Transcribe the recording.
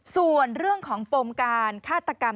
ส่วนเรื่องของปมการฆาตกรรม